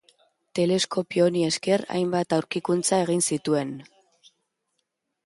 Teleskopio honi esker hainbat aurkikuntza egin zituen.